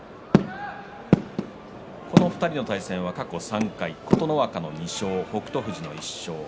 この２人の対戦は過去３回琴ノ若の２勝、北勝富士の１勝。